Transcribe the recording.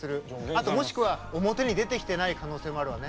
あともしくは表に出てきてない可能性もあるわね。